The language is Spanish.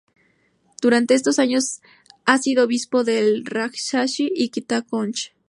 Durante estos años ha sido Obispo de Rajshahi y Chittagong.